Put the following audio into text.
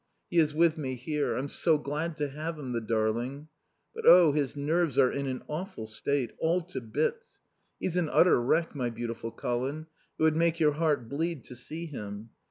He is with me here. I'm so glad to have him, the darling. But oh, his nerves are in an awful state all to bits. He's an utter wreck, my beautiful Colin; it would make your heart bleed to see him.